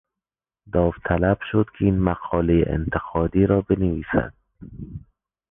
داوطلب شد که این مقالهٔ انتقادی را بنویسد.